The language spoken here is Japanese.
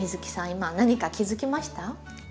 今何か気付きました？